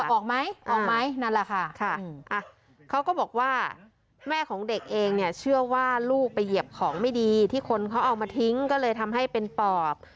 ออกไหมออกไหมนั่นแหละค่ะเขาก็บอกว่าแม่ของเด็กเองเนี่ยเชื่อว่าลูกไปเหยียบของไม่ดีที่คนเขาเอามาทิ้งก็เลยทำให้เป็นปอบ